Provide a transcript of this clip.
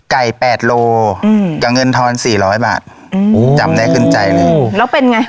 แปดโลอืมกับเงินทอนสี่ร้อยบาทอืมโอ้จำได้ขึ้นใจเลยโอ้โหแล้วเป็นไง